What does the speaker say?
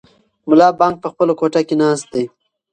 ملا بانګ په خپله کوټه کې ناست دی.